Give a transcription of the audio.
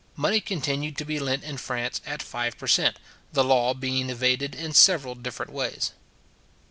money continued to be lent in France at five per cent. the law being evaded in several different ways.